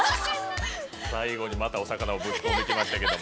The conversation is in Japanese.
最後に、また「おさかな」をぶち込んできましたけど。